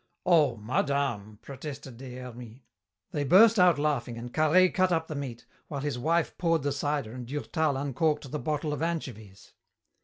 "Oh, Madame," protested Des Hermies. They burst out laughing and Carhaix cut up the meat, while his wife poured the cider and Durtal uncorked the bottle of anchovies.